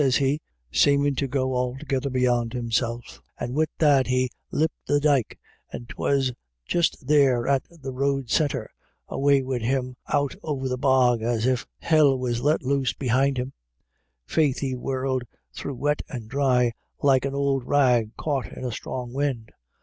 sez he, seemin* to go altogether beyond himself; and wid that he lep' the dyke — 'twas just there at the road corner — and away wid him out over the bog as if Hell was let loose behind him. Faith, he whirrelled through wet and dry like an ould rag caught in a strong wind.